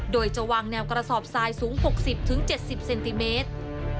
โดยจะวางแนวกระสอบทรายสูง๖๐๗๐เซนติเมตร